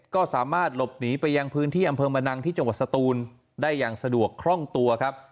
ก็สามารถหลบหนีไปยังพื้นที่อำเภอมะนังที่จังหวัดสตูนได้อย่างสะดวกคล่องตัวครับ